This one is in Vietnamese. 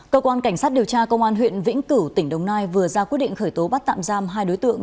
cơ quan cảnh sát điều tra công an huyện vĩnh cửu tỉnh đồng nai vừa ra quyết định khởi tố bắt tạm giam hai đối tượng